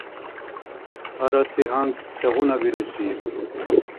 Араси гьанкӀ сегъуна бируси?